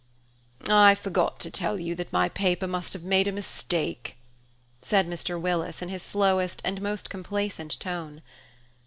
"I forgot to tell you that my paper must have made a mistake," said Mr. Willis in his slowest and most complacent tone.